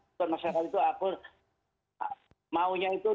masyarakat itu akur maunya itu di apa namanya itu